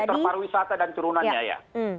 sektor pariwisata dan turunannya ya